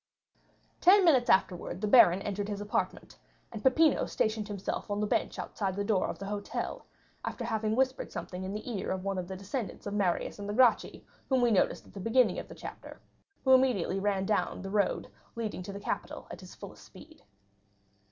50239m Ten minutes afterwards the baron entered his apartment, and Peppino stationed himself on the bench outside the door of the hotel, after having whispered something in the ear of one of the descendants of Marius and the Gracchi whom we noticed at the beginning of the chapter, who immediately ran down the road leading to the Capitol at his fullest speed.